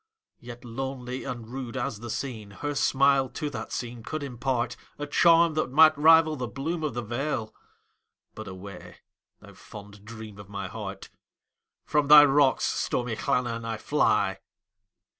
Yet lonely and rude as the scene, Her smile to that scene could impartA charm that might rival the bloom of the vale,—But away, thou fond dream of my heart! From thy rocks, stormy Llannon, I fly.